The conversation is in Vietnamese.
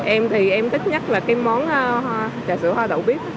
em thì em thích nhất là cái món trà sữa hoa đậu bếp